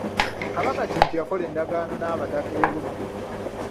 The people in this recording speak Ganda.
Kabaka Kintu yakola endagaano n’abataka e Buddu.